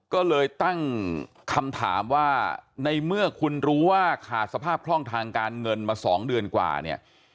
ก็เลยตั้งคำถามว่าในเมื่อคุณรู้ว่าขาดสภาพคล่องทางการเงินมา๒เดือนกว่าเนี่ย